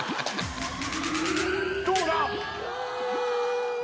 どうだ⁉う。